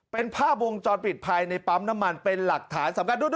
เป็นภาพวงจรปิดภายในปั๊มน้ำมันเป็นหลักฐานสำคัญด้วย